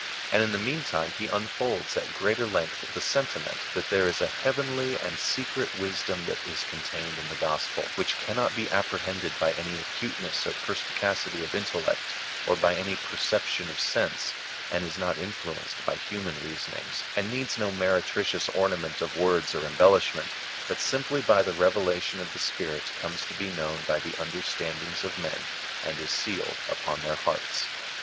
And in the meantime he unfolds at greater length the sentiment, that there is a heavenly and secret wisdom that is contained in the gospel, which cannot be apprehended by any acuteness or perspi cacity of intellect, or by any perception of sense, and is not influenced by human reasonings, and needs no meretricious ornament of words or embellishment, but simply by the revelation of the Spirit comes to be known by the under standings of men, and is sealed upon their hearts.